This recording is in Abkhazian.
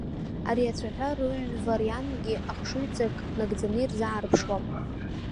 Ари ацәаҳәа рыҩвариангьы ахшыҩҵак нагӡаны ирзаарԥшуам.